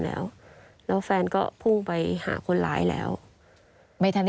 จริงจริงจริง